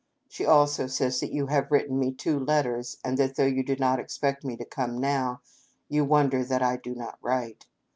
She also says that you have written me two letters ; and that although you do not expect me to come now, you wonder that I do not write.